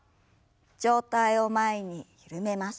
上体を前に緩めます。